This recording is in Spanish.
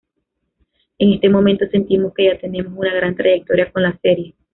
En este momento sentimos que ya tenemos una gran trayectoria con la serie.